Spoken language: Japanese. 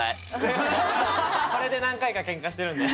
これで何回かケンカしてるんで。